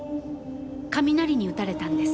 雷に打たれたんです。